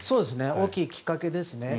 大きいきっかけですね。